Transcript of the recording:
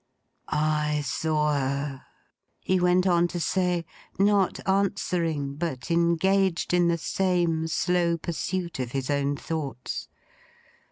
'I saw her,' he went on to say, not answering, but engaged in the same slow pursuit of his own thoughts.